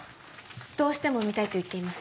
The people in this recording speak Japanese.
どうしても産みたいと言っています。